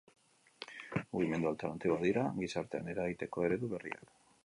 Mugimendu alternatiboak dira gizartean eragiteko eredu berriak.